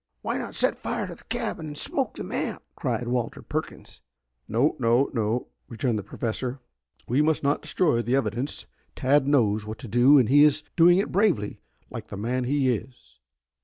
"Why not set fire to the cabin and smoke them out?" cried Walter Perkins. "No, no, no," returned the Professor. "We must not destroy the evidence. Tad knows what to do and he is doing it bravely, like the man he is."